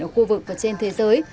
ở khu vực và trên thế giới